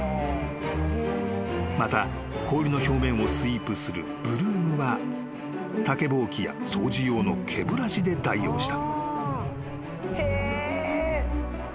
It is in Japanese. ［また氷の表面をスイープするブルームは竹ぼうきや掃除用の毛ブラシで代用した］